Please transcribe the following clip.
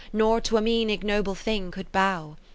Nor to a mean ignoble thing could bow.